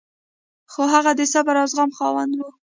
خو هغه د صبر او زغم خاوند و.